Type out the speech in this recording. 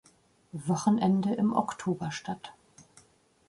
Wochenende im Oktober statt.